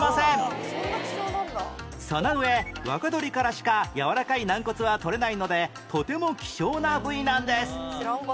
その上若鶏からしかやわらかい軟骨は取れないのでとても希少な部位なんです